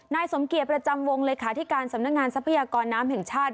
นายสมเกียจประจำวงเลขาธิการสำนักงานทรัพยากรน้ำแห่งชาติ